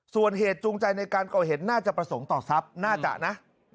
ส่วนเหตุจูงใจในการก่อเหตุน่าจะประสงค์ต่อทรัพย์น่าจะนะ